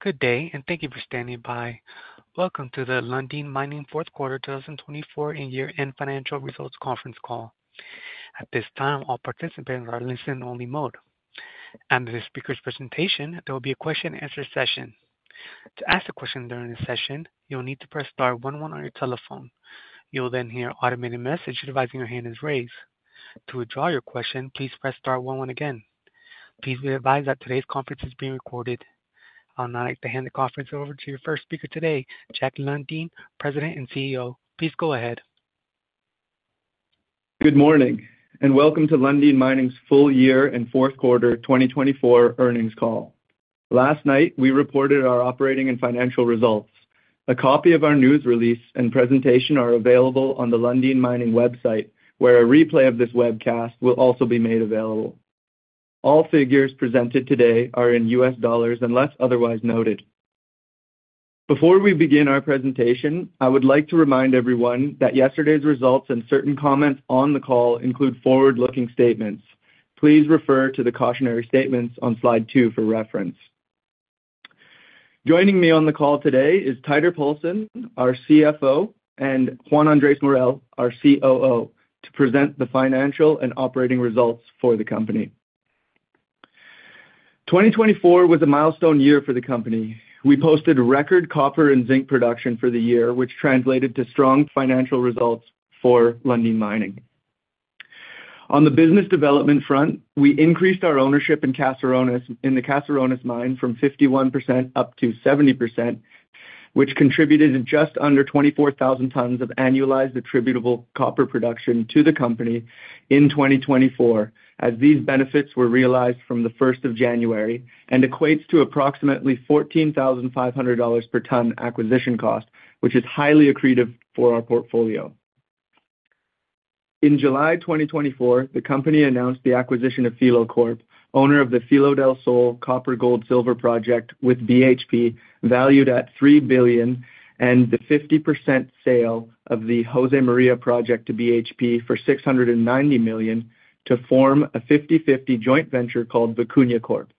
Good day, and thank you for standing by. Welcome to the Lundin Mining Q4 2024 and Year End Financial Results Conference Call. At this time, all participants are in listen-only mode. Following the speaker's presentation, there will be a question-and-answer session. To ask a question during the session, you'll need to press star 11 on your telephone. You'll then hear an automated message advising that your hand is raised. To withdraw your question, please press star 11 again. Please be advised that today's conference is being recorded. I'll now like to hand the conference over to your first speaker today, Jack Lundin, President and CEO. Please go ahead. Good morning, and welcome to Lundin Mining's full year and Q4 2024 Earnings Call. Last night, we reported our operating and financial results. A copy of our news release and presentation are available on the Lundin Mining website, where a replay of this webcast will also be made available. All figures presented today are in US dollars unless otherwise noted. Before we begin our presentation, I would like to remind everyone that yesterday's results and certain comments on the call include forward-looking statements. Please refer to the cautionary statements on slide two for reference. Joining me on the call today is Teitur Poulsen, our CFO, and Juan Andrés Morel, our COO, to present the financial and operating results for the company. 2024 was a milestone year for the company. We posted record copper and zinc production for the year, which translated to strong financial results for Lundin Mining. On the business development front, we increased our ownership in the Caserones mine from 51% up to 70%, which contributed just under 24,000 tons of annualized attributable copper production to the company in 2024, as these benefits were realized from the 1st of January and equates to approximately $14,500 per ton acquisition cost, which is highly accretive for our portfolio. In July 2024, the company announced the acquisition of Filo Corp, owner of the Filo del Sol Copper Gold Silver Project with BHP, valued at $3 billion, and the 50% sale of the Josemaria Project to BHP for $690 million to form a 50/50 joint venture called Vicuña Corp.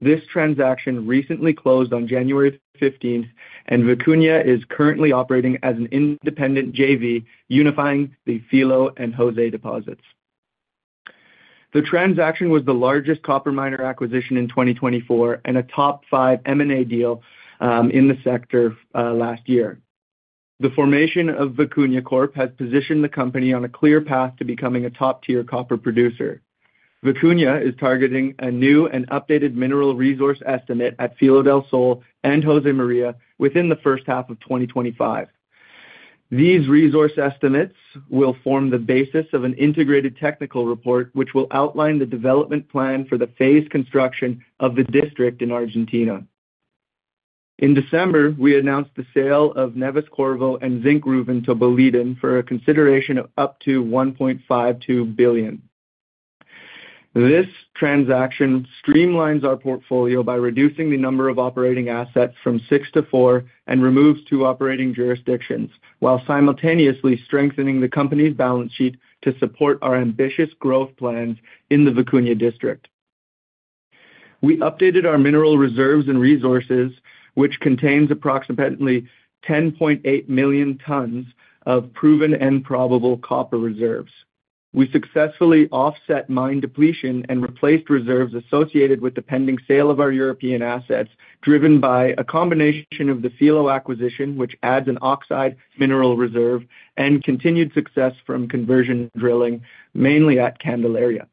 This transaction recently closed on 15 January 2025, and Vicuña is currently operating as an independent JV, unifying the Filo and Josemaria deposits. The transaction was the largest copper miner acquisition in 2024 and a top five M&A deal in the sector last year. The formation of Vicuña Corp has positioned the company on a clear path to becoming a top-tier copper producer. Vicuña is targeting a new and updated mineral resource estimate at Filo del Sol and Josemaría within the first half of 2025. These resource estimates will form the basis of an integrated technical report, which will outline the development plan for the phased construction of the district in Argentina. In December, we announced the sale of Neves-Corvo and Zinkgruvan to Boliden for a consideration of up to $1.52 billion. This transaction streamlines our portfolio by reducing the number of operating assets from six to four and removes two operating jurisdictions, while simultaneously strengthening the company's balance sheet to support our ambitious growth plans in the Vicuña district. We updated our mineral reserves and resources, which contains approximately 10.8 million tons of proven and probable copper reserves. We successfully offset mine depletion and replaced reserves associated with the pending sale of our European assets, driven by a combination of the Filo acquisition, which adds an oxide mineral reserve, and continued success from conversion drilling, mainly at Candelaria.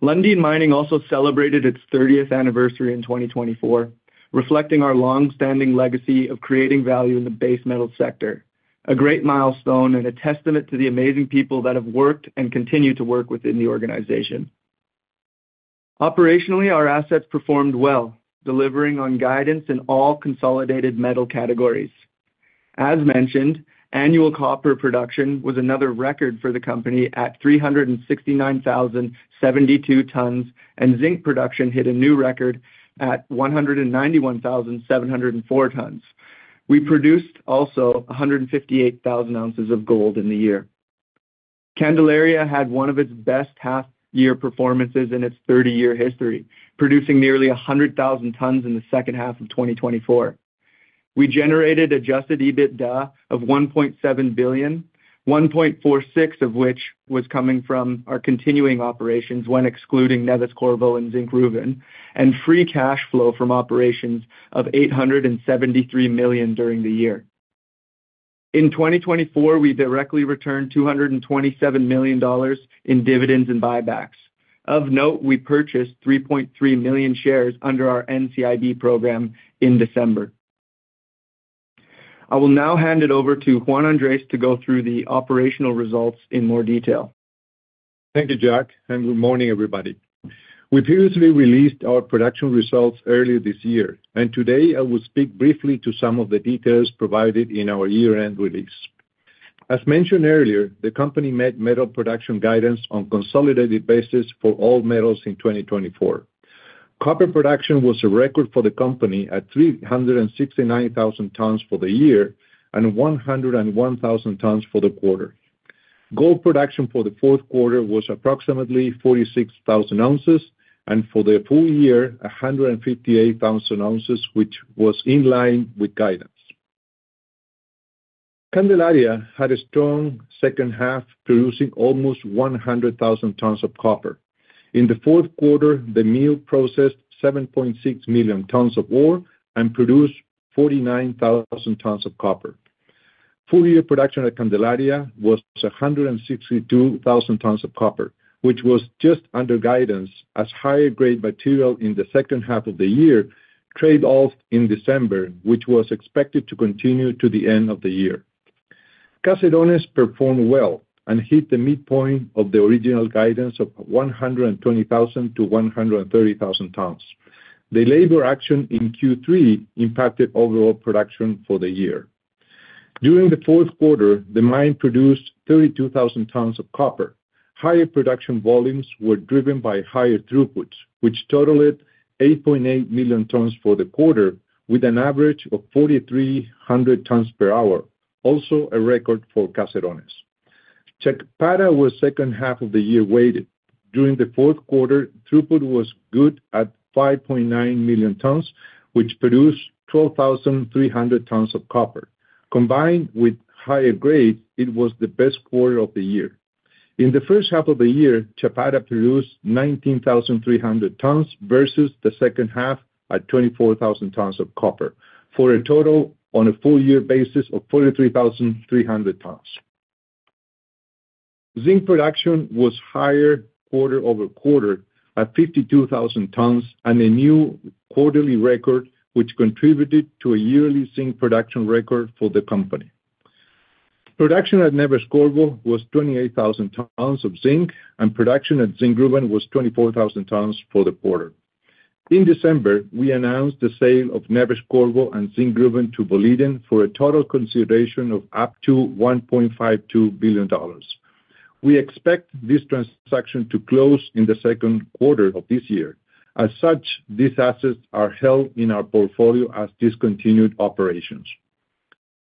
Lundin Mining also celebrated its 30th anniversary in 2024, reflecting our long-standing legacy of creating value in the base metal sector, a great milestone and a testament to the amazing people that have worked and continue to work within the organization. Operationally, our assets performed well, delivering on guidance in all consolidated metal categories. As mentioned, annual copper production was another record for the company at 369,072 tons, and zinc production hit a new record at 191,704 tons. We produced also 158,000 ounces of gold in the year. Candelaria had one of its best half-year performances in its 30-year history, producing nearly 100,000 tons in the second half of 2024. We generated Adjusted EBITDA of $1.7 billion, $1.46 billion of which was coming from our continuing operations when excluding Neves-Corvo and Zinkgruvan, and free cash flow from operations of $873 million during the year. In 2024, we directly returned $227 million in dividends and buybacks. Of note, we purchased 3.3 million shares under our NCIB program in December. I will now hand it over to Juan Andrés to go through the operational results in more detail. Thank you, Jack, and good morning, everybody. We previously released our production results earlier this year, and today I will speak briefly to some of the details provided in our year-end release. As mentioned earlier, the company met metal production guidance on a consolidated basis for all metals in 2024. Copper production was a record for the company at 369,000 tons for the year and 101,000 tons for the quarter. Gold production for the Q4 was approximately 46,000 ounces, and for the full year, 158,000 ounces, which was in line with guidance. Candelaria had a strong second half, producing almost 100,000 tons of copper. In the Q4, the mill processed 7.6 million tons of ore and produced 49,000 tons of copper. Full-year production at Candelaria was 162,000 tons of copper, which was just under guidance, as higher-grade material in the second half of the year traded off in December, which was expected to continue to the end of the year. Caserones performed well and hit the midpoint of the original guidance of 120,000-130,000 tons. The labor action in Q3 impacted overall production for the year. During the Q4, the mine produced 32,000 tons of copper. Higher production volumes were driven by higher throughputs, which totaled 8.8 million tons for the quarter, with an average of 4,300 tons per hour, also a record for Caserones. Chapada was second half of the year weighted. During the Q4, throughput was good at 5.9 million tons, which produced 12,300 tons of copper. Combined with higher grades, it was the best quarter of the year. In the first half of the year, Chapada produced 19,300 tons versus the second half at 24,000 tons of copper, for a total on a full-year basis of 43,300 tons. Zinc production was higher quarter-over-quarter at 52,000 tons and a new quarterly record, which contributed to a yearly zinc production record for the company. Production at Neves-Corvo was 28,000 tons of zinc, and production at Zinkgruvan was 24,000 tons for the quarter. In December, we announced the sale of Neves-Corvo and Zinkgruvan to Boliden for a total consideration of up to $1.52 billion. We expect this transaction to close in the Q2 of this year. As such, these assets are held in our portfolio as discontinued operations.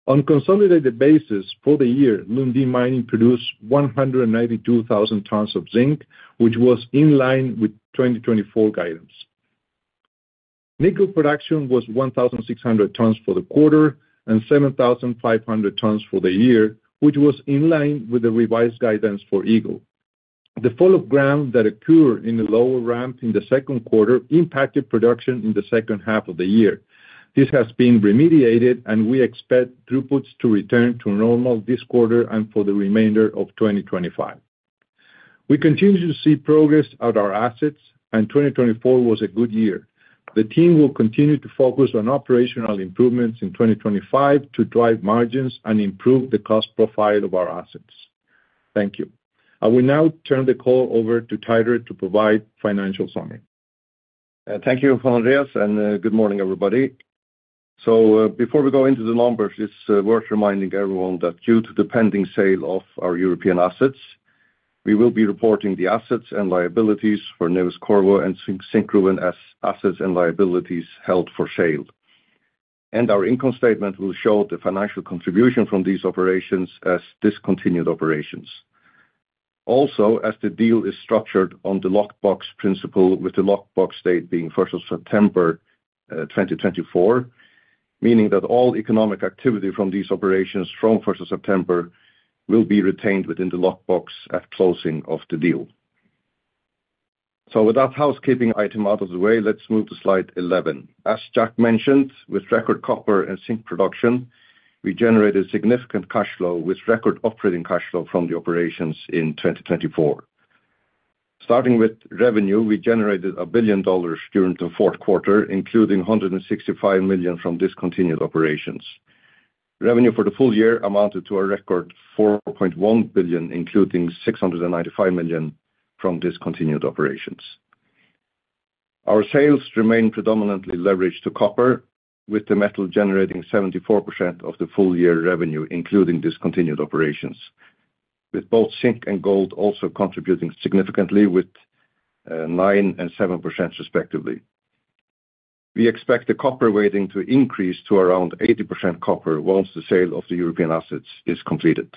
On a consolidated basis for the year, Lundin Mining produced 192,000 tons of zinc, which was in line with 2024 guidance. Nickel production was 1,600 tons for the quarter and 7,500 tons for the year, which was in line with the revised guidance for Eagle. The fall of ground that occurred in the lower ramp in the Q2 impacted production in the second half of the year. This has been remediated, and we expect throughputs to return to normal this quarter and for the remainder of 2025. We continue to see progress at our assets, and 2024 was a good year. The team will continue to focus on operational improvements in 2025 to drive margins and improve the cost profile of our assets. Thank you. I will now turn the call over to Teitur to provide the financial summary. Thank you, Juan Andrés, and good morning, everybody. So before we go into the numbers, it's worth reminding everyone that due to the pending sale of our European assets, we will be reporting the assets and liabilities for Neves-Corvo and Zinkgruvan as assets and liabilities held for sale. And our income statement will show the financial contribution from these operations as discontinued operations. Also, as the deal is structured on the lockbox principle, with the lockbox date being 1st of September 2024, meaning that all economic activity from these operations from 1st of September 2024 will be retained within the lockbox at closing of the deal. So with that housekeeping item out of the way, let's move to slide 11. As Jack mentioned, with record copper and zinc production, we generated significant cash flow, with record operating cash flow from the operations in 2024. Starting with revenue, we generated $1 billion during the Q4, including $165 million from discontinued operations. Revenue for the full year amounted to a record $4.1 billion, including $695 million from discontinued operations. Our sales remain predominantly leveraged to copper, with the metal generating 74% of the full-year revenue, including discontinued operations, with both zinc and gold also contributing significantly, with 9% and 7%, respectively. We expect the copper weighting to increase to around 80% copper once the sale of the European assets is completed.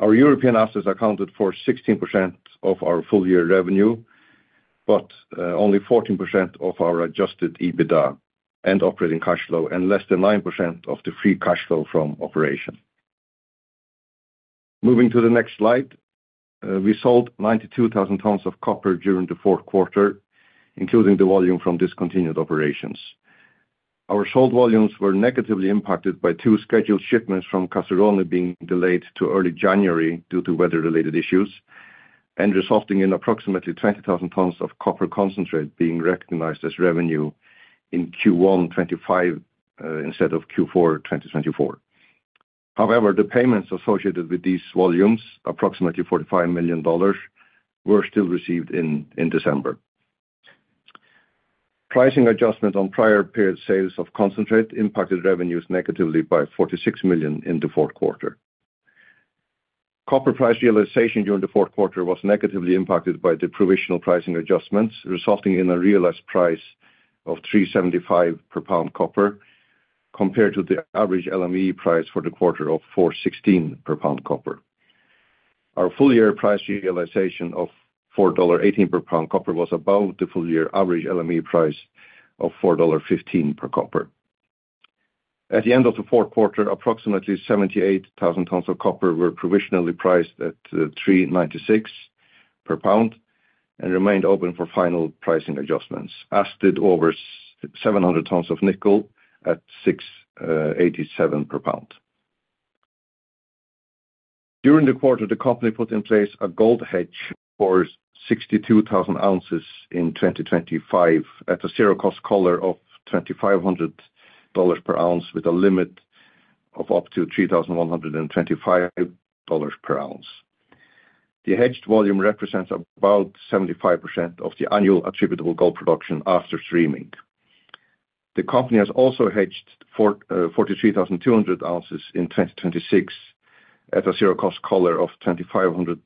Our European assets accounted for 16% of our full-year revenue, but only 14% of our Adjusted EBITDA and operating cash flow, and less than 9% of the free cash flow from operations. Moving to the next slide, we sold 92,000 tons of copper during the Q4, including the volume from discontinued operations. Our sold volumes were negatively impacted by two scheduled shipments from Caserones being delayed to early January due to weather-related issues, and resulting in approximately 20,000 tons of copper concentrate being recognized as revenue in Q1 2025 instead of Q4 2024. However, the payments associated with these volumes, approximately $45 million, were still received in December. Pricing adjustment on prior period sales of concentrate impacted revenues negatively by $46 million in the Q4. Copper price realization during the Q4 was negatively impacted by the provisional pricing adjustments, resulting in a realized price of $3.75 per pound copper compared to the average LME price for the quarter of $4.16 per pound copper. Our full-year price realization of $4.18 per pound copper was above the full-year average LME price of $4.15 per pound copper. At the end of the Q4, approximately 78,000 tons of copper were provisionally priced at $3.96 per pound and remained open for final pricing adjustments, as did over 700 tons of nickel at $6.87 per pound. During the quarter, the company put in place a gold hedge for 62,000 ounces in 2025 at a zero-cost collar of $2,500 per ounce, with a limit of up to $3,125 per ounce. The hedged volume represents about 75% of the annual attributable gold production after streaming. The company has also hedged 43,200 ounces in 2026 at a zero-cost collar of $2,500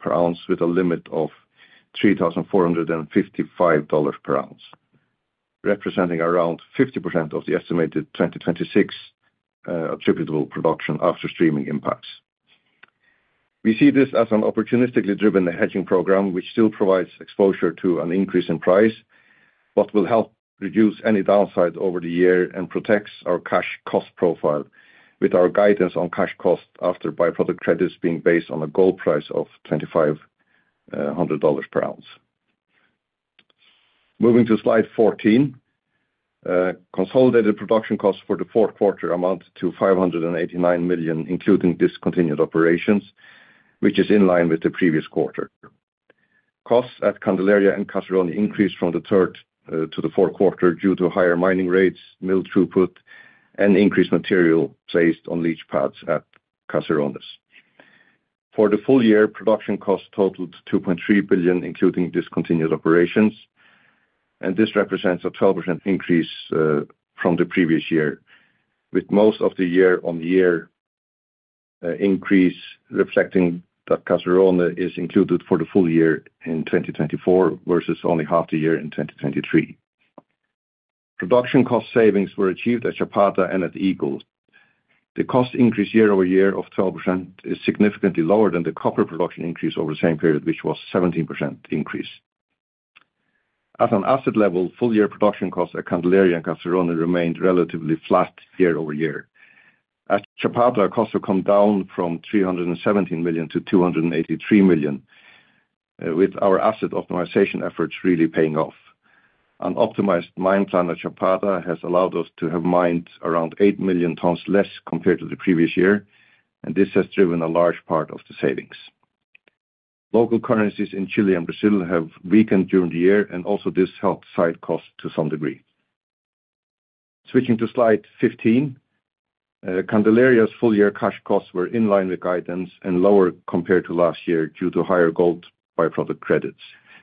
per ounce, with a limit of $3,455 per ounce, representing around 50% of the estimated 2026 attributable production after streaming impacts. We see this as an opportunistically driven hedging program, which still provides exposure to an increase in price, but will help reduce any downside over the year and protects our cash cost profile with our guidance on cash cost after byproduct credits being based on a gold price of $2,500 per ounce. Moving to slide 14, consolidated production costs for the Q4 amount to $589 million, including discontinued operations, which is in line with the previous quarter. Costs at Candelaria and Caserones increased from the third to the Q4 due to higher mining rates, mill throughput, and increased material placed on leach pads at Caserones. For the full-year, production costs totaled $2.3 billion, including discontinued operations, and this represents a 12% increase from the previous year, with most of the year-on-year increase reflecting that Caserones is included for the full year in 2024 versus only half the year in 2023. Production cost savings were achieved at Chapada and at Eagle. The cost increase year-over-year of 12% is significantly lower than the copper production increase over the same period, which was a 17% increase. At an asset level, full-year production costs at Candelaria and Caserones remained relatively flat year-over-year. At Chapada, costs have come down from $317 million to $283 million, with our asset optimization efforts really paying off. An optimized mine plan at Chapada has allowed us to have mined around 8 million tons less compared to the previous year, and this has driven a large part of the savings. Local currencies in Chile and Brazil have weakened during the year, and also this helped site costs to some degree. Switching to slide 15, Candelaria's full-year cash costs were in line with guidance and lower compared to last year due to higher gold byproduct credits,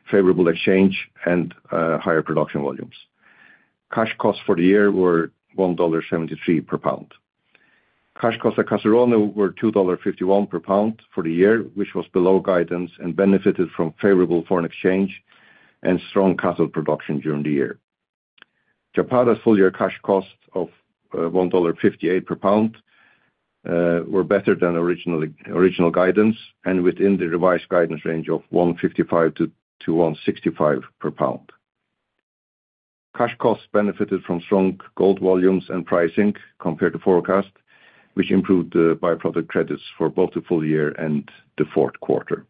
favorable exchange, and higher production volumes. Cash costs for the year were $1.73 per pound. Cash costs at Caserones were $2.51 per pound for the year, which was below guidance and benefited from favorable foreign exchange and strong copper production during the year. Chapada's full-year cash costs of $1.58 per pound were better than original guidance and within the revised guidance range of $1.55-$1.65 per pound. Cash costs benefited from strong gold volumes and pricing compared to forecast, which improved the byproduct credits for both the full year and the Q4.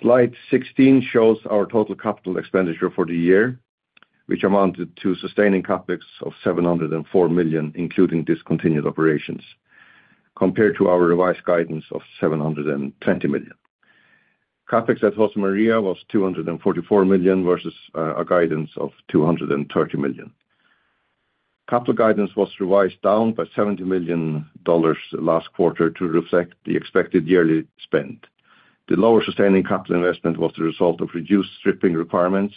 Slide 16 shows our total capital expenditure for the year, which amounted to sustaining CapEx of $704 million, including discontinued operations, compared to our revised guidance of $720 million. CapEx at Josemaria was $244 million versus a guidance of $230 million. Capital guidance was revised down by $70 million last quarter to reflect the expected yearly spend. The lower sustaining capital investment was the result of reduced stripping requirements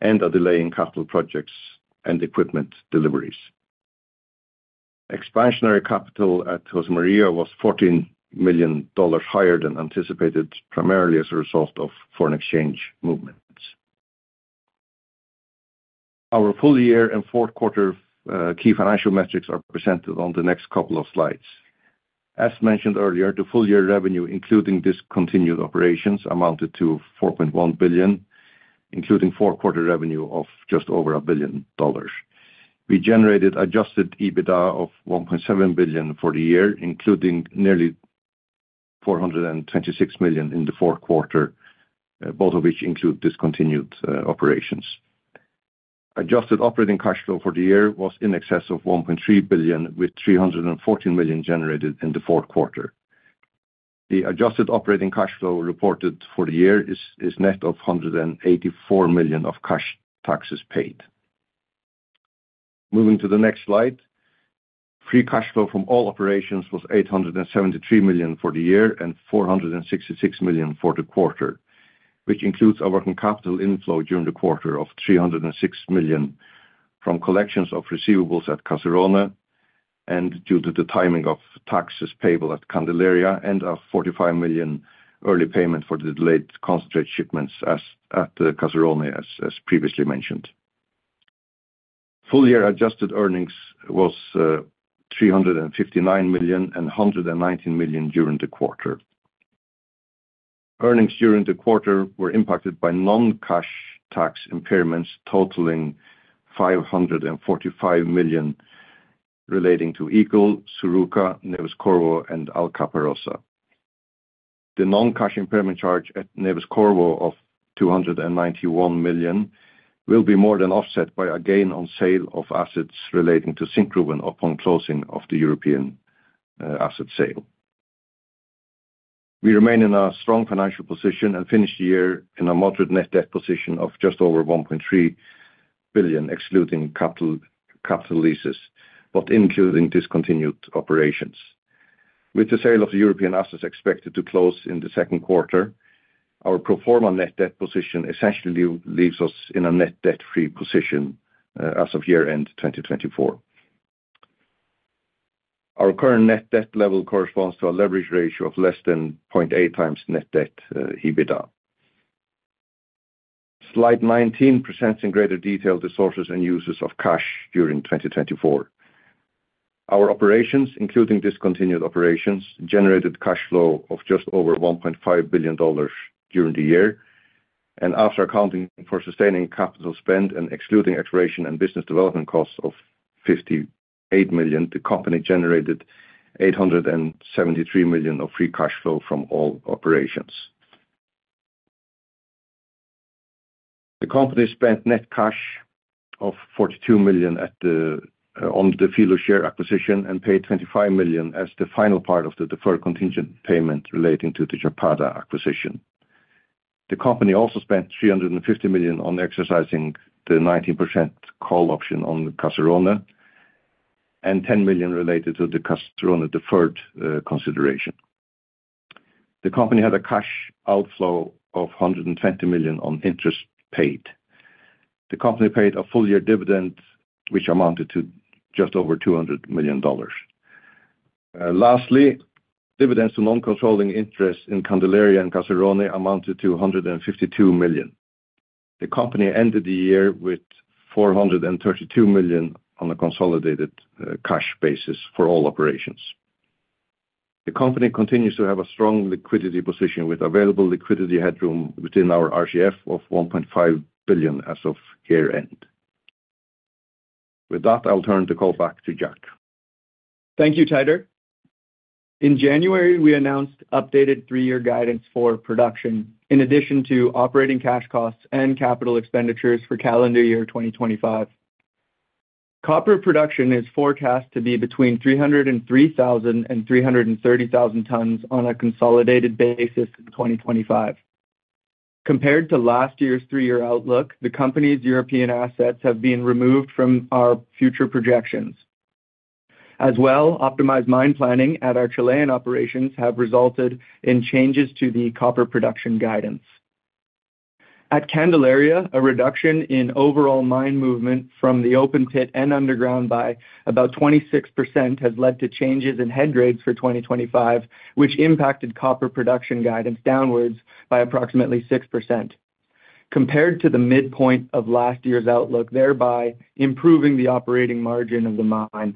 and a delay in capital projects and equipment deliveries. Expansionary capital at Josemaria was $14 million higher than anticipated, primarily as a result of foreign exchange movements. Our full-year and Q4 key financial metrics are presented on the next couple of slides. As mentioned earlier, the full-year revenue, including discontinued operations, amounted to $4.1 billion, including Q4 revenue of just over $1 billion. We generated adjusted EBITDA of $1.7 billion for the year, including nearly $426 million in the Q4, both of which include discontinued operations. Adjusted operating cash flow for the year was in excess of $1.3 billion, with $314 million generated in the Q4. The adjusted operating cash flow reported for the year is net of $184 million of cash taxes paid. Moving to the next slide, free cash flow from all operations was $873 million for the year and $466 million for the quarter, which includes our capital inflow during the quarter of $306 million from collections of receivables at Caserones and due to the timing of taxes payable at Candelaria and a $45 million early payment for the delayed concentrate shipments at Caserones, as previously mentioned. Full-year adjusted earnings was $359 million and $119 million during the quarter. Earnings during the quarter were impacted by non-cash tax impairments totaling $545 million relating to Eagle, Suruca, Neves-Corvo, and Alcaparrosa. The non-cash impairment charge at Neves-Corvo of $291 million will be more than offset by a gain on sale of assets relating to Zinkgruvan upon closing of the European asset sale. We remain in a strong financial position and finish the year in a moderate net debt position of just over $1.3 billion, excluding capital leases, but including discontinued operations. With the sale of the European assets expected to close in the Q2, our pro forma net debt position essentially leaves us in a net debt-free position as of year-end 2024. Our current net debt level corresponds to a leverage ratio of less than 0.8 times net debt EBITDA. Slide 19 presents in greater detail the sources and uses of cash during 2024. Our operations, including discontinued operations, generated cash flow of just over $1.5 billion during the year. And after accounting for sustaining capital spend and excluding exploration and business development costs of $58 million, the company generated $873 million of free cash flow from all operations. The company spent net cash of $42 million on the Filo share acquisition and paid $25 million as the final part of the deferred contingent payment relating to the Chapada acquisition. The company also spent $350 million on exercising the 19% call option on Caserones and $10 million related to the Caserones deferred consideration. The company had a cash outflow of $120 million on interest paid. The company paid a full-year dividend, which amounted to just over $200 million. Lastly, dividends to non-controlling interest in Candelaria and Caserones amounted to $152 million. The company ended the year with $432 million on a consolidated cash basis for all operations. The company continues to have a strong liquidity position with available liquidity headroom within our RCF of $1.5 billion as of year-end. With that, I'll turn the call back to Jack. Thank you, Teitur. In January, we announced updated three-year guidance for production, in addition to operating cash costs and capital expenditures for calendar year 2025. Copper production is forecast to be between 303,000 and 330,000 tons on a consolidated basis in 2025. Compared to last year's three-year outlook, the company's European assets have been removed from our future projections. As well, optimized mine planning at our Chilean operations has resulted in changes to the copper production guidance. At Candelaria, a reduction in overall mine movement from the open pit and underground by about 26% has led to changes in head grades for 2025, which impacted copper production guidance downwards by approximately 6%. Compared to the midpoint of last year's outlook, thereby improving the operating margin of the mine.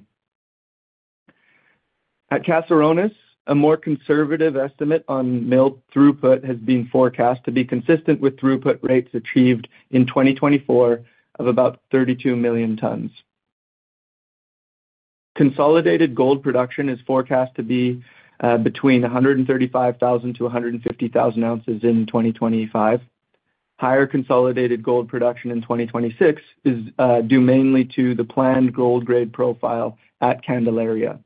At Caserones, a more conservative estimate on mill throughput has been forecast to be consistent with throughput rates achieved in 2024 of about 32 million tons. Consolidated gold production is forecast to be between 135,000-150,000 ounces in 2025. Higher consolidated gold production in 2026 is due mainly to the planned gold grade profile at Candelaria.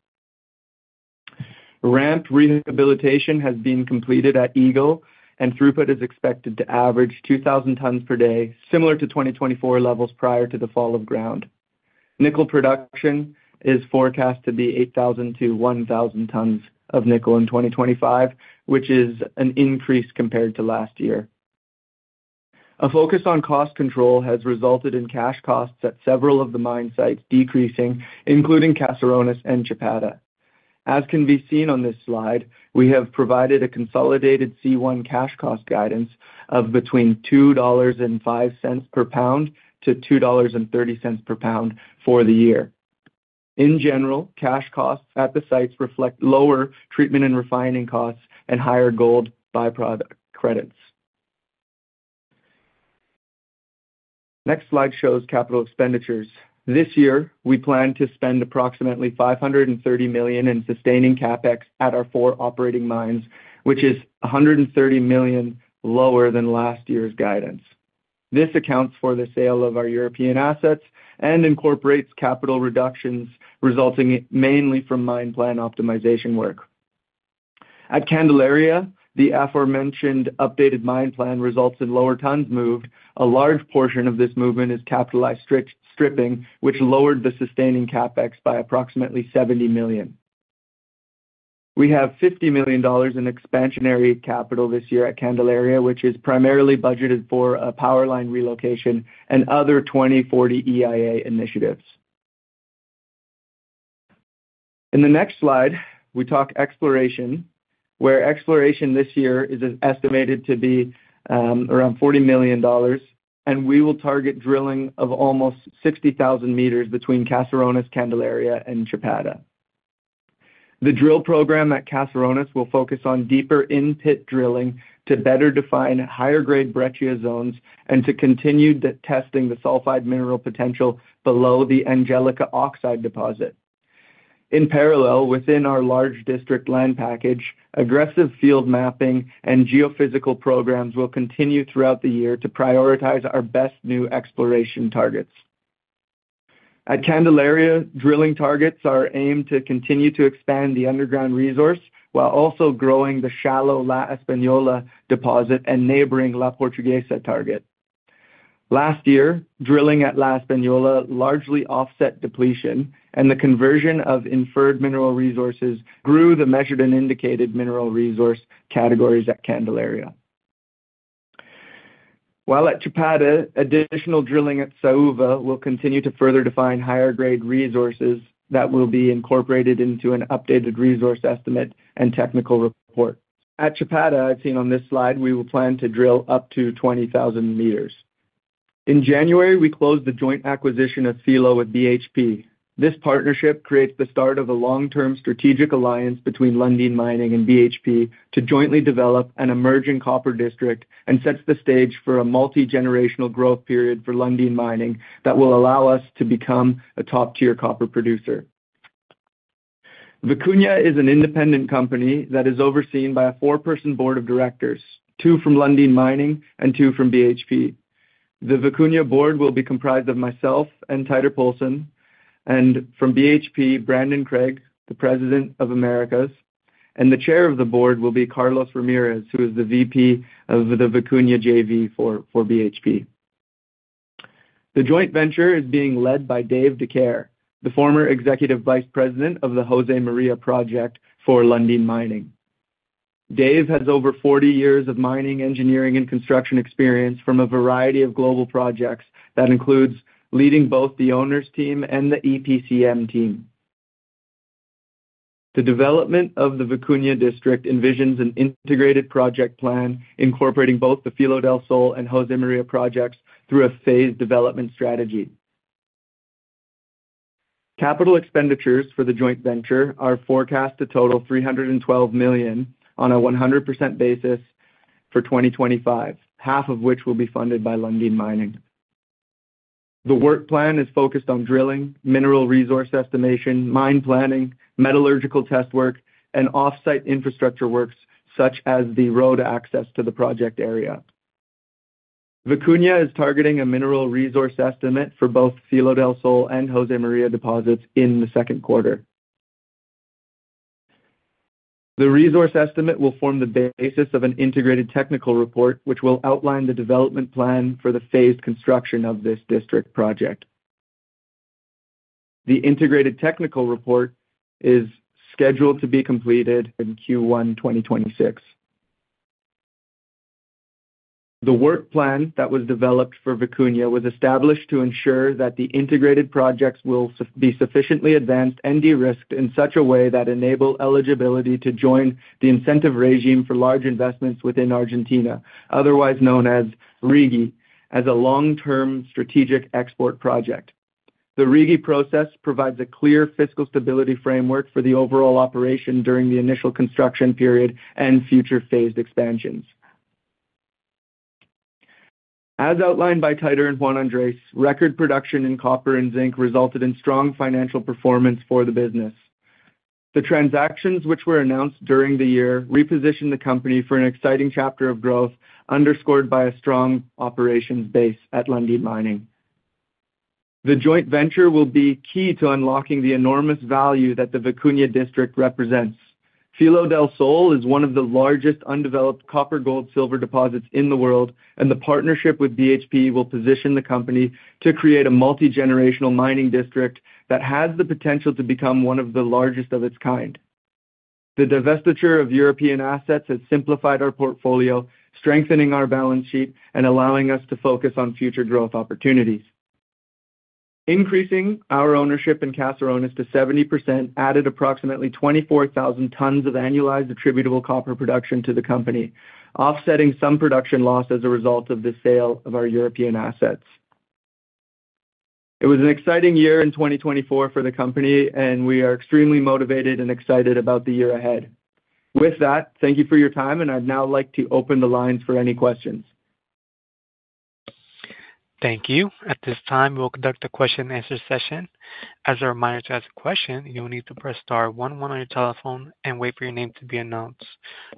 Ramp rehabilitation has been completed at Eagle, and throughput is expected to average 2,000 tons per day, similar to 2024 levels prior to the fall of ground. Nickel production is forecast to be 8,000-10,000 tons of nickel in 2025, which is an increase compared to last year. A focus on cost control has resulted in cash costs at several of the mine sites decreasing, including Caserones and Chapada. As can be seen on this slide, we have provided a consolidated C1 cash cost guidance of between $2.05-$2.30 per pound for the year. In general, cash costs at the sites reflect lower treatment and refining costs and higher gold byproduct credits. Next slide shows capital expenditures. This year, we plan to spend approximately $530 million in sustaining CapEx at our four operating mines, which is $130 million lower than last year's guidance. This accounts for the sale of our European assets and incorporates capital reductions resulting mainly from mine plan optimization work. At Candelaria, the aforementioned updated mine plan results in lower tons moved. A large portion of this movement is capitalized stripping, which lowered the sustaining CapEx by approximately $70 million. We have $50 million in expansionary capital this year at Candelaria, which is primarily budgeted for a power line relocation and other 2040 EIA initiatives. In the next slide, we talk exploration, where exploration this year is estimated to be around $40 million, and we will target drilling of almost 60,000 meters between Caserones, Candelaria, and Chapada. The drill program at Caserones will focus on deeper in-pit drilling to better define higher-grade breccia zones and to continue testing the sulfide mineral potential below the Angelica oxide deposit. In parallel, within our large district land package, aggressive field mapping and geophysical programs will continue throughout the year to prioritize our best new exploration targets. At Candelaria, drilling targets are aimed to continue to expand the underground resource while also growing the shallow La Española deposit and neighboring La Portuguesa target. Last year, drilling at La Española largely offset depletion, and the conversion of inferred mineral resources grew the measured and indicated mineral resource categories at Candelaria. While at Chapada, additional drilling at Saúva will continue to further define higher-grade resources that will be incorporated into an updated resource estimate and technical report. At Chapada, as seen on this slide, we will plan to drill up to 20,000 meters. In January, we closed the joint acquisition of Filo with BHP. This partnership creates the start of a long-term strategic alliance between Lundin Mining and BHP to jointly develop an emerging copper district and sets the stage for a multi-generational growth period for Lundin Mining that will allow us to become a top-tier copper producer. Vicuña is an independent company that is overseen by a four-person board of directors, two from Lundin Mining and two from BHP. The Vicuña board will be comprised of myself and Teitur Poulsen, and from BHP, Brandon Craig, the President of Americas, and the chair of the board will be Carlos Ramirez, who is the VP of the Vicuña JV for BHP. The joint venture is being led by Dave Dakers, the former executive vice president of the Josemaria Project for Lundin Mining. Dave has over 40 years of mining, engineering, and construction experience from a variety of global projects that includes leading both the owners' team and the EPCM team. The development of the Vicuña district envisions an integrated project plan incorporating both the Filo del Sol and Josemaria projects through a phased development strategy. Capital expenditures for the joint venture are forecast to total $312 million on a 100% basis for 2025, half of which will be funded by Lundin Mining. The work plan is focused on drilling, mineral resource estimation, mine planning, metallurgical test work, and off-site infrastructure works such as the road access to the project area. Vicuña is targeting a mineral resource estimate for both Filo del Sol and Josemaria deposits in the Q2. The resource estimate will form the basis of an integrated technical report, which will outline the development plan for the phased construction of this district project. The integrated technical report is scheduled to be completed in Q1 2026. The work plan that was developed for Vicuña was established to ensure that the integrated projects will be sufficiently advanced and de-risked in such a way that enable eligibility to join the incentive regime for large investments within Argentina, otherwise known as RIGI, as a long-term strategic export project. The RIGI process provides a clear fiscal stability framework for the overall operation during the initial construction period and future phased expansions. As outlined by Teitur and Juan Andrés, record production in copper and zinc resulted in strong financial performance for the business. The transactions, which were announced during the year, repositioned the company for an exciting chapter of growth underscored by a strong operations base at Lundin Mining. The joint venture will be key to unlocking the enormous value that the Vicuña district represents. del Sol is one of the largest undeveloped copper, gold, and silver deposits in the world, and the partnership with BHP will position the company to create a multi-generational mining district that has the potential to become one of the largest of its kind. The divestiture of European assets has simplified our portfolio, strengthening our balance sheet and allowing us to focus on future growth opportunities. Increasing our ownership in Caserones to 70% added approximately 24,000 tons of annualized attributable copper production to the company, offsetting some production loss as a result of the sale of our European assets. It was an exciting year in 2024 for the company, and we are extremely motivated and excited about the year ahead. With that, thank you for your time, and I'd now like to open the lines for any questions. Thank you. At this time, we will conduct a question-and-answer session. As a reminder to ask a question, you'll need to press star 11 on your telephone and wait for your name to be announced.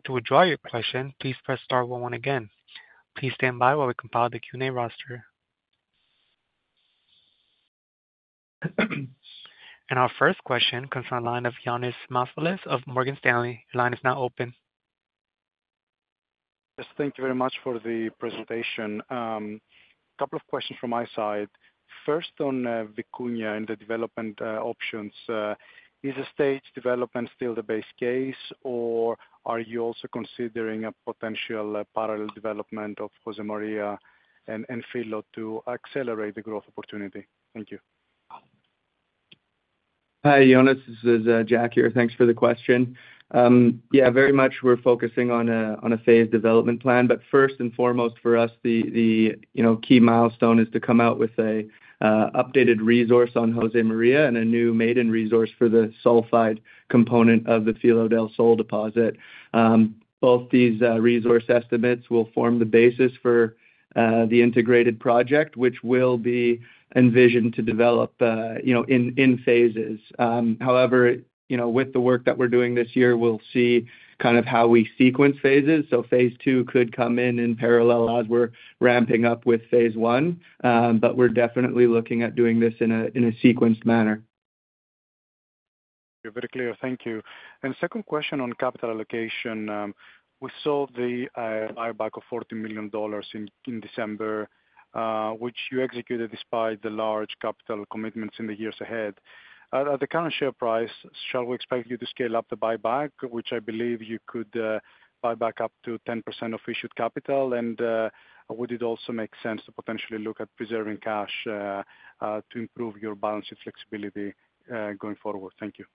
To withdraw your question, please press star 11 again. Please stand by while we compile the Q&A roster. Our first question comes from the line of Ioannis Masvoulas of Morgan Stanley. Your line is now open. Yes, thank you very much for the presentation. A couple of questions from my side. First, on Vicuña and the development options, is the stage development still the base case, or are you also considering a potential parallel development of Josemaria and Filo to accelerate the growth opportunity? Thank you. Hi, Yannis, this is Jack here. Thanks for the question. Yeah, very much. We're focusing on a phased development plan, but first and foremost for us, the key milestone is to come out with an updated resource on Josemaria and a new maiden resource for the sulfide component of the Filo del Sol deposit. Both these resource estimates will form the basis for the integrated project, which will be envisioned to develop in phases. However, with the work that we're doing this year, we'll see kind of how we sequence phases. So phase II could come in in parallel as we're ramping up with phase I, but we're definitely looking at doing this in a sequenced manner. Very clear. Thank you. And second question on capital allocation. We saw the buyback of $40 million in December, which you executed despite the large capital commitments in the years ahead. At the current share price, shall we expect you to scale up the buyback, which I believe you could buy back up to 10% of issued capital? And would it also make sense to potentially look at preserving cash to improve your balance sheet flexibility going forward? Thank you.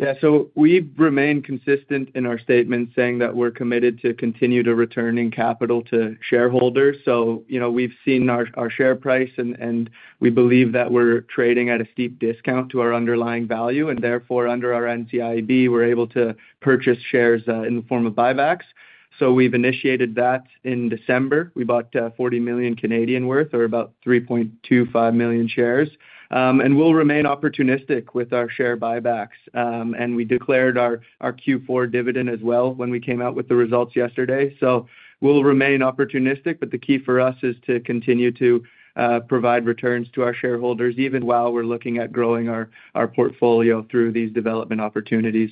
Yeah, so we've remained consistent in our statements saying that we're committed to continue to return capital to shareholders. So we've seen our share price, and we believe that we're trading at a steep discount to our underlying value, and therefore, under our NCIB, we're able to purchase shares in the form of buybacks. So we've initiated that in December. We bought 40 million worth, or about 3.25 million shares, and we'll remain opportunistic with our share buybacks. And we declared our Q4 dividend as well when we came out with the results yesterday. So we'll remain opportunistic, but the key for us is to continue to provide returns to our shareholders even while we're looking at growing our portfolio through these development opportunities.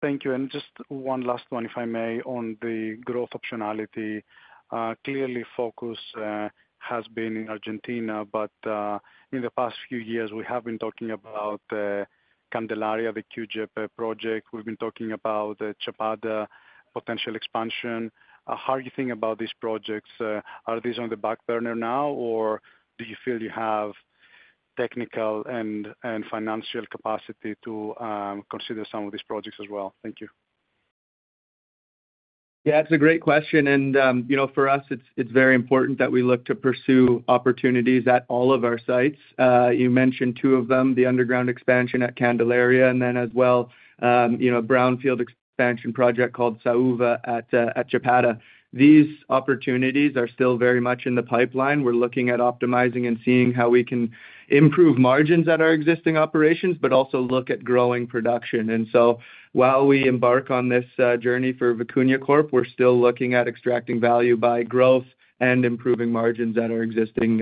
Thank you. And just one last one, if I may, on the growth optionality. Clearly, focus has been in Argentina, but in the past few years, we have been talking about Candelaria, the Eagle project. We've been talking about Chapada potential expansion. How do you think about these projects? Are these on the back burner now, or do you feel you have technical and financial capacity to consider some of these projects as well? Thank you. Yeah, that's a great question. And for us, it's very important that we look to pursue opportunities at all of our sites. You mentioned two of them, the underground expansion at Candelaria, and then as well, a brownfield expansion project called Saúva at Chapada. These opportunities are still very much in the pipeline. We're looking at optimizing and seeing how we can improve margins at our existing operations, but also look at growing production. And so while we embark on this journey for Vicuña Corp, we're still looking at extracting value by growth and improving margins at our existing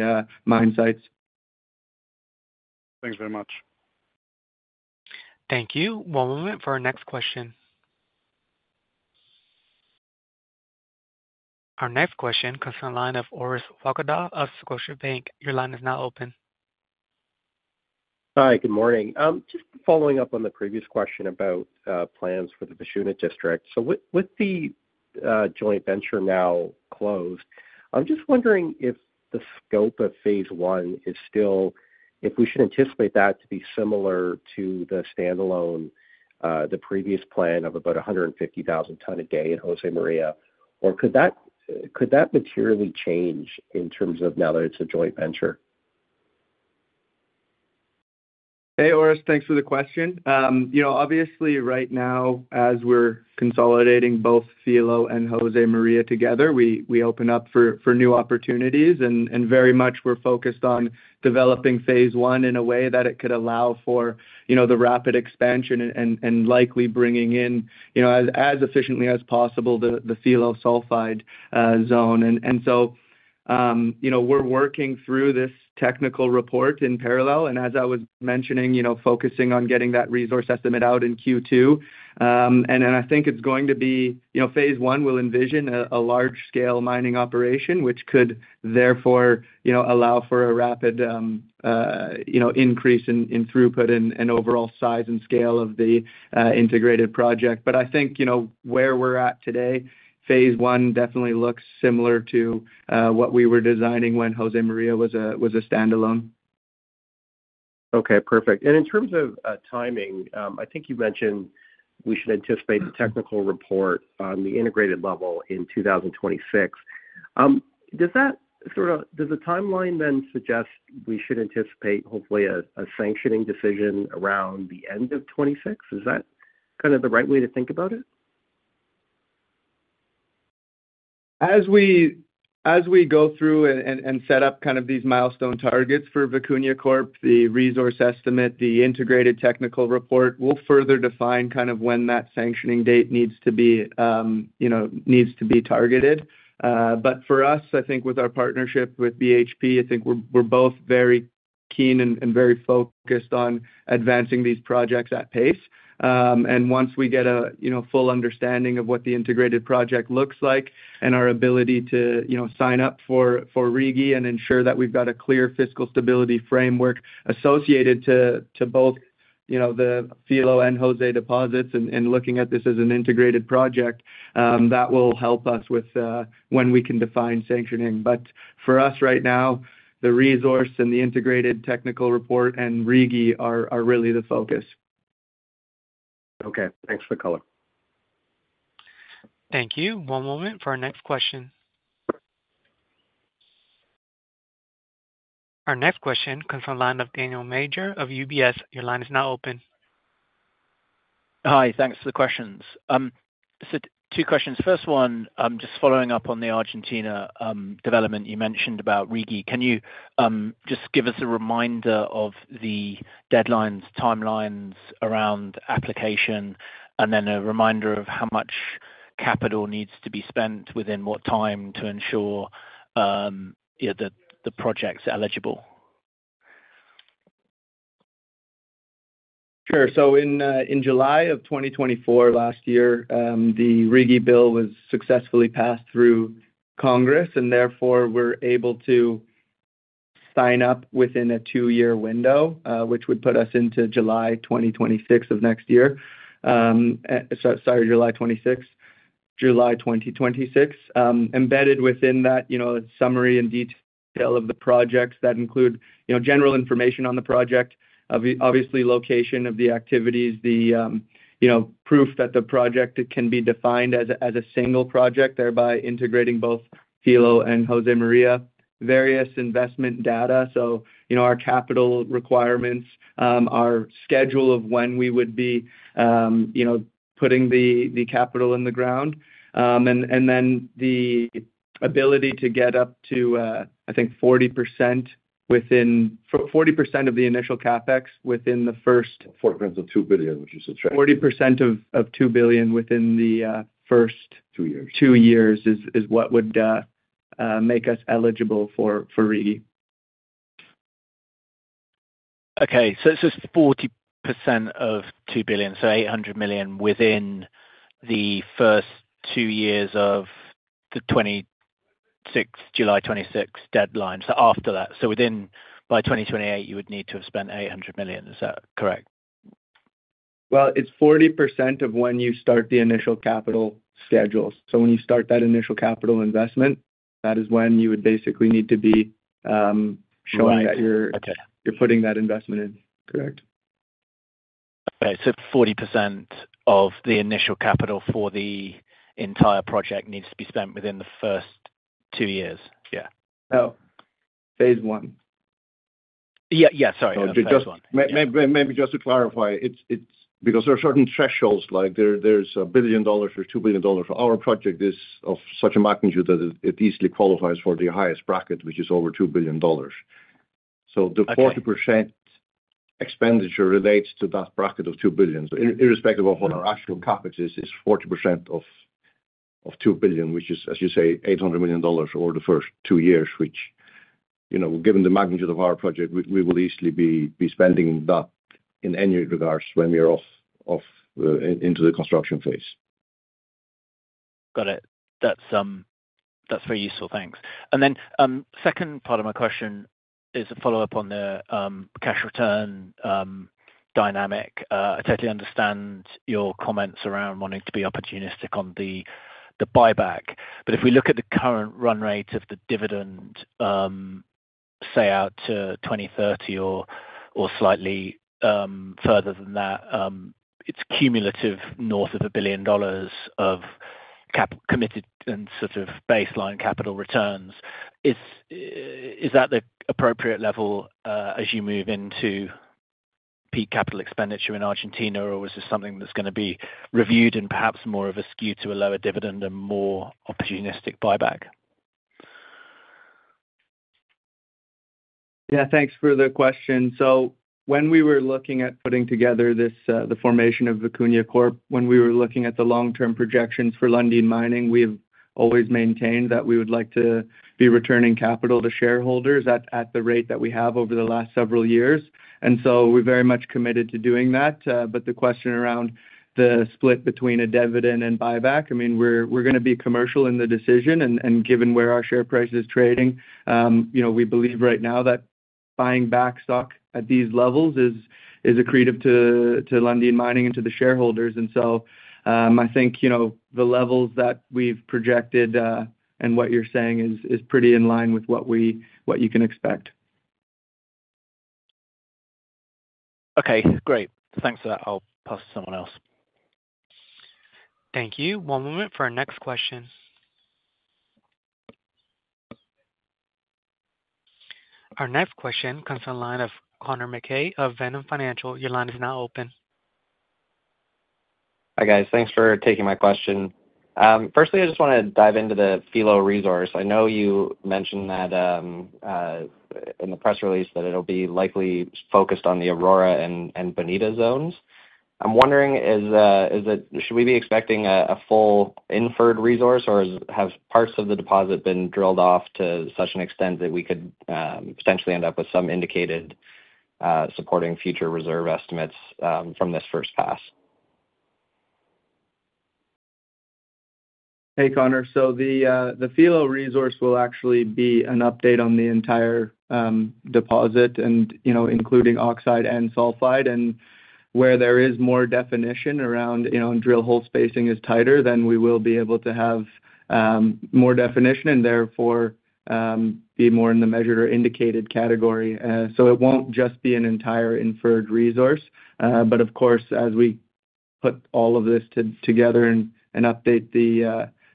mine sites. Thanks very much. Thank you. One moment for our next question. Our next question comes from the line of Orest Wowkodaw of Scotiabank. Your line is now open. Hi, good morning. Just following up on the previous question about plans for the Vicuña District. So with the joint venture now closed, I'm just wondering if the scope of phase I is still, if we should anticipate that to be similar to the standalone, the previous plan of about 150,000 ton a day at Josemaria, or could that materially change in terms of now that it's a joint venture? Hey, Orest, thanks for the question. Obviously, right now, as we're consolidating both Filo and Josemaria together, we open up for new opportunities, and very much, we're focused on developing phase one in a way that it could allow for the rapid expansion and likely bringing in as efficiently as possible the Filo sulfide zone. And so we're working through this technical report in parallel, and as I was mentioning, focusing on getting that resource estimate out in Q2. And I think it's going to be phase I will envision a large-scale mining operation, which could therefore allow for a rapid increase in throughput and overall size and scale of the integrated project. But I think where we're at today, phase I definitely looks similar to what we were designing when Josemaria was a standalone. Okay, perfect. And in terms of timing, I think you mentioned we should anticipate the technical report on the integrated level in 2026. Does the timeline then suggest we should anticipate, hopefully, a sanctioning decision around the end of 2026? Is that kind of the right way to think about it? As we go through and set up kind of these milestone targets for Vicuña Corp, the resource estimate, the integrated technical report, we'll further define kind of when that sanctioning date needs to be targeted. But for us, I think with our partnership with BHP, I think we're both very keen and very focused on advancing these projects at pace. And once we get a full understanding of what the integrated project looks like and our ability to sign up for RIGI and ensure that we've got a clear fiscal stability framework associated to both the Filo and Jose deposits and looking at this as an integrated project, that will help us with when we can define sanctioning. But for us right now, the resource and the integrated technical report and RIGI are really the focus. Okay, thanks for the color. Thank you. One moment for our next question. Our next question comes from the line of Daniel Major of UBS. Your line is now open. Hi, thanks for the questions. Two questions. First one, just following up on the Argentina development you mentioned about RIGI. Can you just give us a reminder of the deadlines, timelines around application, and then a reminder of how much capital needs to be spent within what time to ensure that the project's eligible? Sure. So in July of 2024, last year, the RIGI bill was successfully passed through Congress, and therefore, we're able to sign up within a two-year window, which would put us into July 2026 of next year. Sorry, July 26th, July 2026. Embedded within that, a summary and detail of the projects that include general information on the project, obviously location of the activities, the proof that the project can be defined as a single project, thereby integrating both Filo and Josemaria, various investment data, so our capital requirements, our schedule of when we would be putting the capital in the ground, and then the ability to get up to, I think, 40% of the initial CapEx within the first footprint of $2 billion, which is attractive. 40% of $2 billion within the first two years. Two years is what would make us eligible for RIGI. Okay, so it's just 40% of $2 billion, so $800 million within the first two years of the July 26th deadline. So after that, so by 2028, you would need to have spent $800 million. Is that correct? It's 40% of when you start the initial capital schedule. So when you start that initial capital investment, that is when you would basically need to be showing that you're putting that investment in. Correct. Okay, so 40% of the initial capital for the entire project needs to be spent within the first two years. Yeah. No, phase I. Yeah, yeah, sorry. Maybe just to clarify, because there are certain thresholds, like there's $1 billion or $2 billion. Our project is of such a magnitude that it easily qualifies for the highest bracket, which is over $2 billion. So the 40% expenditure relates to that bracket of $2 billion. Irrespective of what our actual CapEx is, it's 40% of $2 billion, which is, as you say, $800 million over the first two years, which, given the magnitude of our project, we will easily be spending that in any regards when we are into the construction phase. Got it. That's very useful. Thanks. And then second part of my question is a follow-up on the cash return dynamic. I totally understand your comments around wanting to be opportunistic on the buyback. But if we look at the current run rate of the dividend, say, out to 2030 or slightly further than that, it's cumulative north of $1 billion of committed and sort of baseline capital returns. Is that the appropriate level as you move into peak capital expenditure in Argentina, or is this something that's going to be reviewed and perhaps more of a skew to a lower dividend and more opportunistic buyback? Yeah, thanks for the question. So when we were looking at putting together the formation of Vicuña Corp, when we were looking at the long-term projections for Lundin Mining, we have always maintained that we would like to be returning capital to shareholders at the rate that we have over the last several years. And so we're very much committed to doing that. But the question around the split between a dividend and buyback, I mean, we're going to be commercial in the decision, and given where our share price is trading, we believe right now that buying back stock at these levels is accretive to Lundin Mining and to the shareholders. And so I think the levels that we've projected and what you're saying is pretty in line with what you can expect. Okay, great. Thanks for that. I'll pass to someone else. Thank you. One moment for our next question. Our next question comes from the line of Connor Mackay of Ventum Financial. Your line is now open. Hi guys. Thanks for taking my question. Firstly, I just want to dive into the Filo resource. I know you mentioned that in the press release that it'll be likely focused on the Aurora and Bonita zones. I'm wondering, should we be expecting a full inferred resource, or have parts of the deposit been drilled off to such an extent that we could potentially end up with some indicated supporting future reserve estimates from this first pass? Hey, Connor. So the Filo resource will actually be an update on the entire deposit, including oxide and sulfide. And where there is more definition around drill hole spacing is tighter, then we will be able to have more definition and therefore be more in the measured or indicated category. So it won't just be an entire inferred resource. But of course, as we put all of this together and update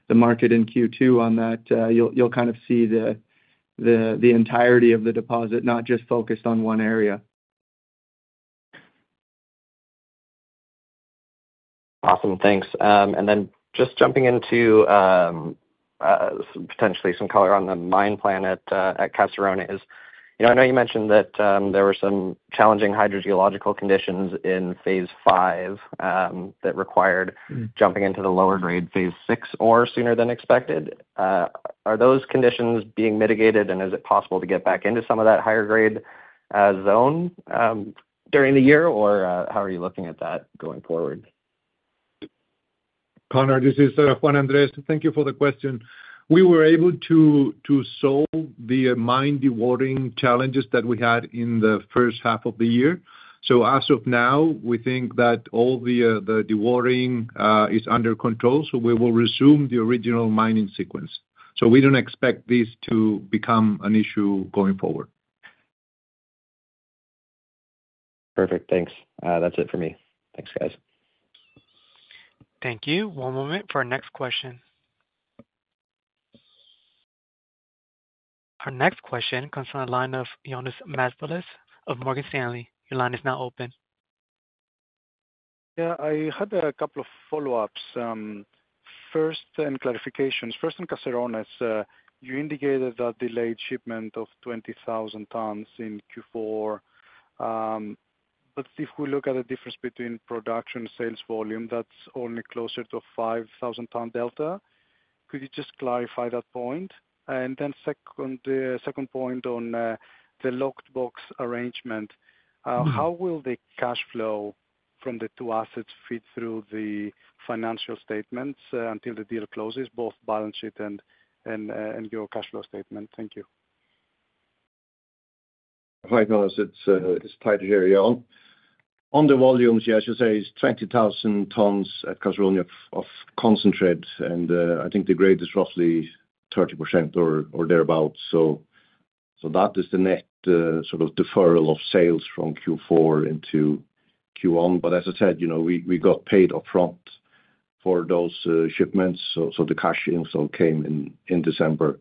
the market in Q2 on that, you'll kind of see the entirety of the deposit, not just focused on one area. Awesome. Thanks. And then just jumping into potentially some color on the mine plan at Caserones, I know you mentioned that there were some challenging hydrogeological conditions in phase V that required jumping into the lower grade phase VI or sooner than expected. Are those conditions being mitigated, and is it possible to get back into some of that higher grade zone during the year, or how are you looking at that going forward? Connor, this is Juan Andrés. Thank you for the question. We were able to solve the mine dewatering challenges that we had in the first half of the year. So as of now, we think that all the dewatering is under control, so we will resume the original mining sequence. So we don't expect this to become an issue going forward. Perfect. Thanks. That's it for me. Thanks, guys. Thank you. One moment for our next question. Our next question comes from the line of Ioannis Masvoulas of Morgan Stanley. Your line is now open. Yeah, I had a couple of follow-ups. First, in clarifications. First, in Caserones, you indicated that delayed shipment of 20,000 tons in Q4. But if we look at the difference between production and sales volume, that's only closer to a 5,000-ton delta. Could you just clarify that point? And then second point on the locked box arrangement, how will the cash flow from the two assets feed through the financial statements until the deal closes, both balance sheet and your cash flow statement? Thank you. Hi, guys. It's Teitur here Ion. On the volumes, yeah, as you say, it's 20,000 tons at Caserones of concentrate, and I think the grade is roughly 30% or thereabouts. So that is the net sort of deferral of sales from Q4 into Q1. But as I said, we got paid upfront for those shipments, so the cash inflow came in December.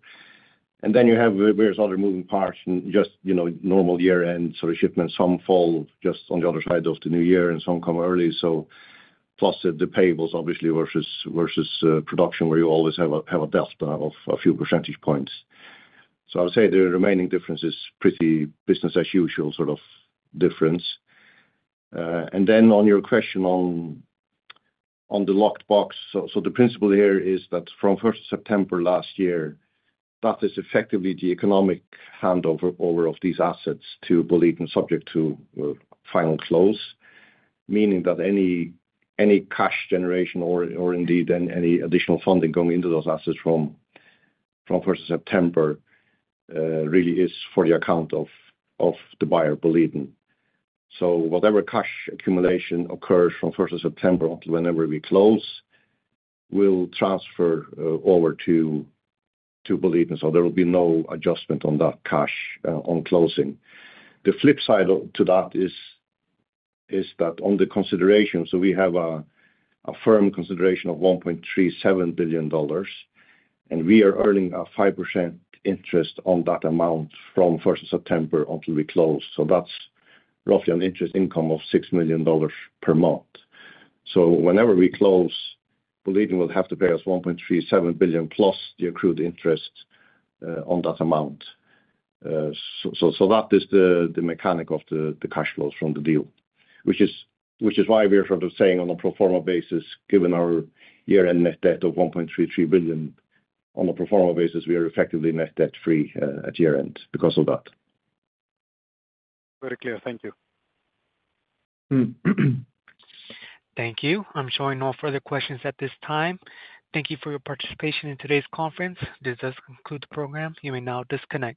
And then you have various other moving parts, just normal year-end sort of shipments. Some fall just on the other side of the new year, and some come early. So plus the payables, obviously, versus production where you always have a delta of a few percentage points. So I would say the remaining difference is pretty business-as-usual sort of difference. And then on your question on the locked box, so the principle here is that from 1st of September last year, that is effectively the economic handover of these assets to Boliden subject to final close, meaning that any cash generation or indeed any additional funding going into those assets from 1st of September really is for the account of the buyer, Boliden. So whatever cash accumulation occurs from 1st of September until whenever we close will transfer over to Boliden. So there will be no adjustment on that cash on closing. The flip side to that is that on the consideration, so we have a firm consideration of $1.37 billion, and we are earning a 5% interest on that amount from first of September until we close. So that's roughly an interest income of $6 million per month. So whenever we close, Boliden will have to pay us $1.37 billion plus the accrued interest on that amount. So that is the mechanics of the cash flows from the deal, which is why we're sort of saying on a pro forma basis, given our year-end net debt of $1.33 billion, on a pro forma basis, we are effectively net debt-free at year-end because of that. Very clear. Thank you. Thank you. I'm showing no further questions at this time. Thank you for your participation in today's conference. This does conclude the program. You may now disconnect.